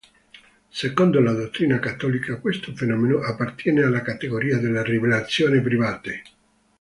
Secondo la dottrina cattolica questo fenomeno appartiene alla categoria delle rivelazioni private.